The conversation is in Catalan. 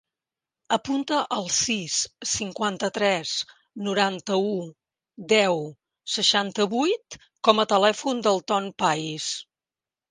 Apunta el sis, cinquanta-tres, noranta-u, deu, seixanta-vuit com a telèfon del Ton Pais.